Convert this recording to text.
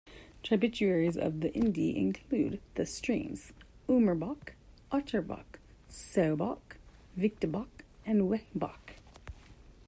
Tributaries of the Inde include the streams: Omerbach, Otterbach, Saubach, Vichtbach, and Wehebach.